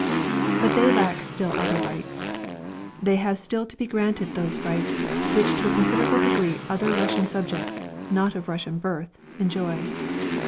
But they lack still other rights. They have still to be granted those rights which to a considerable degree other Russian subjects, not of Russian birth, enjoy.